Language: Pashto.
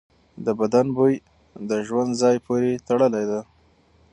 د بدن بوی د ژوند ځای پورې تړلی دی.